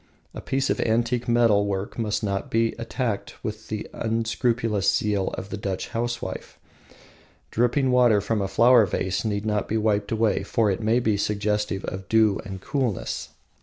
A piece of antique metal work must not be attacked with the unscrupulous zeal of the Dutch housewife. Dripping water from a flower vase need not be wiped away, for it may be suggestive of dew and coolness.